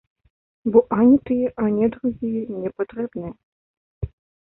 Бо ані тыя, ані другія не патрэбныя.